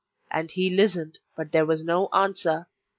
And he listened, but there was no answer.